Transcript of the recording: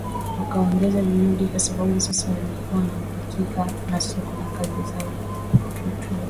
wakaongeza juhudi kwa sababu sasa walikuwa na uhakika na soko la kazi zao vituo